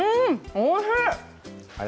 おいしい。